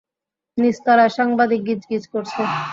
নিচতলায় সাংবাদিক গিজগিজ করছে।